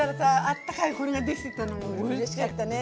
あったかいこれができてたのうれしかったね。